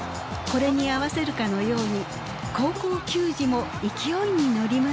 これに合わせるかのように高校球児も勢いに乗ります。